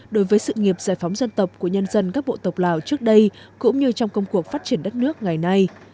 đối với sự nghiệp giải phóng dân tộc của nhân dân các bộ tộc lào trước đây cũng như trong công cuộc phát triển đất nước ngày nay